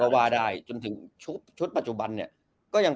ก็ว่าได้จนถึงชุดปัจจุบัน